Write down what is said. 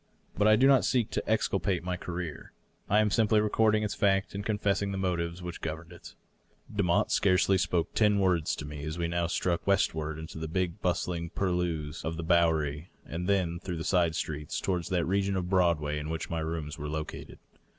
But I do not seek to exculpate my career ; I am simply recording its fact and confessing, the motives which governed it. Demotte scarcely spoke ten words to me as we now struck west ward into the big, bustling purlieus of the Bowery, and then through side streets toward that region of Broadway in which my rooms were located.